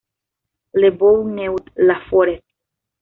Le Bourgneuf-la-Forêt